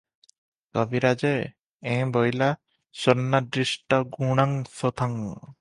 " କବିରାଜେ, "ଏଁ ବୋଇଲା, ସ୍ୱର୍ଣ୍ଣାଦିଷ୍ଟଗୁଣଂ ଶୋଥଂ ।